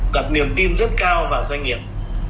đặt niềm tin rất cao vào doanh nghiệp